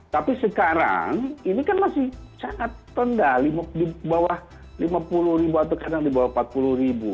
tapi sekarang ini kan masih sangat rendah di bawah lima puluh ribu atau kadang di bawah empat puluh ribu